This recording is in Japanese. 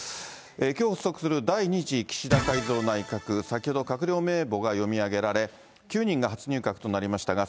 きょう発足する第２次岸田改造内閣、先ほど、閣僚名簿が読み上げられ、９人が初入閣となりましたが、